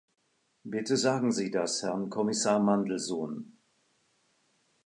Bitte sagen Sie das Herrn Kommissar Mandelson!